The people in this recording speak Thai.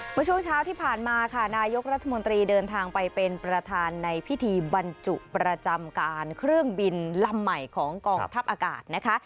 เมื่อช่วงเช้าที่ผ่านมาค่ะนายกรัฐมนตรีเดินทางไปเป็นประธานในพิธีบรรจุประจำการเครื่องบินลำใหม่ของกองทัพอากาศนะคะ